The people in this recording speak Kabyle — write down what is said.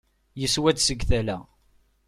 Yeswa-d seg tala.